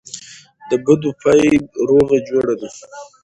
دبدو پای روغه جوړه ده.